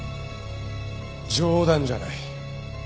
冗談じゃない。